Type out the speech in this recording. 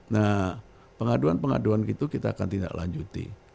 nah pengaduan pengaduan gitu kita akan tindak lanjuti